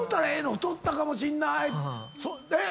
太ったかもしんない。